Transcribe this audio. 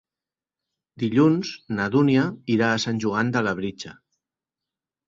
Dilluns na Dúnia irà a Sant Joan de Labritja.